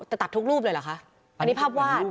แต่ตัดทุกรูปเลยเหรอคะอันนี้ภาพวาด